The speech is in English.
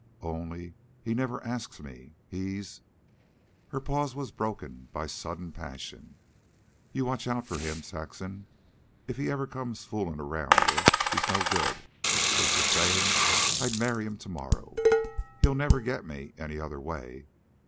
"Only, he never asks me. He's..." Her pause was broken by sudden passion. "You watch out for him, Saxon, if he ever comes foolin' around you. He's no good. Just the same, I'd marry him to morrow. He'll never get me any other way."